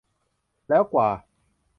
แล้วกว่า